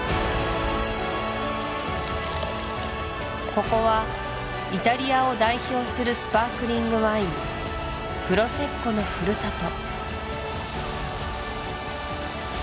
ここはイタリアを代表するスパークリングワインプロセッコのふるさと